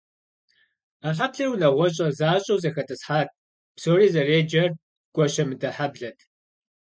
А хьэблэр унагъуэщӏэ защӏэу зэхэтӏысхьат, псори зэреджэр гуащэмыдэ хьэблэт.